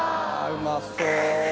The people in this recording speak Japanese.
うまそう。